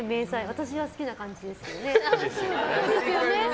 私は好きな感じですけどね。